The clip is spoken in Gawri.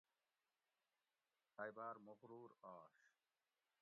ائ باۤر مغرور آش